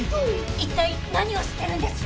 一体何を知ってるんです！？